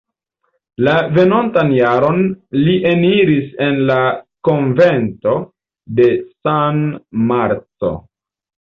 La venontan jaron li eniris en la konvento de San Marco.